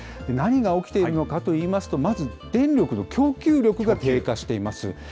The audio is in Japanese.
何が起きているのかといいますと、まず、電力の供給力が低下しています。